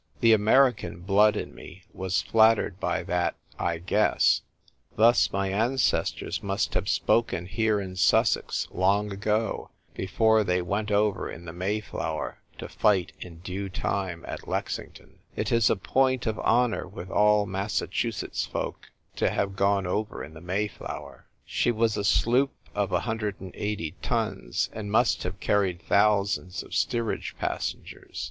The American blood in me was flattered by that " I guess." Thus my ancestors must have spoken here in Sussex long ago, before they went over in the Mayflower, to fight in due time at Lexington. It is a point of honour with all Massachusetts folk to have gone over in the Mayflozvcr. She was a sloop of 1 80 tons, and must have carried thousands of steerage passengers.